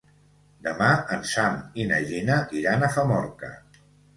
Demà en Sam i na Gina iran a Famorca.